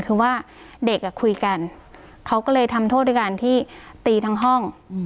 คือว่าเด็กก็คุยกันเขาก็เลยทำโทษทั้งลูกทั้งห้อง